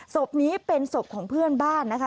ศพนี้เป็นศพของเพื่อนบ้านนะคะ